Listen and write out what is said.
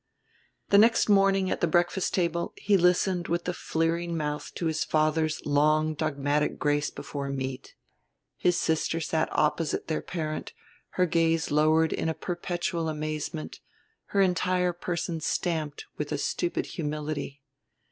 The next morning, at the breakfast table, he listened with a fleering mouth to his father's long dogmatic grace before meat. His sister sat opposite their parent, her gaze lowered in a perpetual amazement, her entire person stamped with a stupid humility.